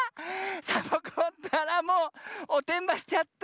サボ子ったらもうおてんばしちゃった！